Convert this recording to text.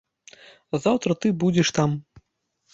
Заўтра ты будзеш там.